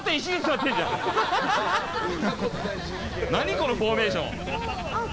何このフォーメーション。